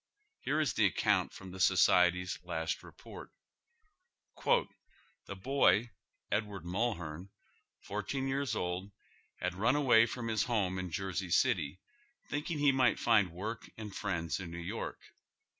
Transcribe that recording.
Here is the account from the Society's last report :" Tlie boy, Edward Mulhearn, fourteen years old, had run away f i om his home in Jersey City, thinking he might find work and friends in New York.